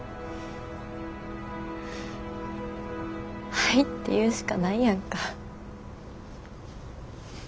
「はい」って言うしかないやんか。